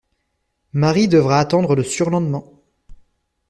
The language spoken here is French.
Marie devra attendre le surlendemain.